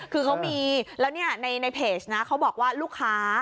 คือเขามีแล้วในเพจเขาบอกว่าลูกค้า